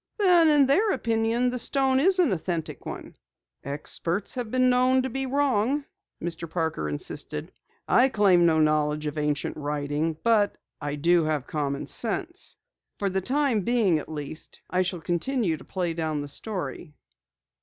"Then, in their opinion the stone is an authentic one?" "Experts have been known to be wrong," Mr. Parker insisted. "I claim no knowledge of ancient writing, but I do have common sense. For the time being, at least, I shall continue to play down the story."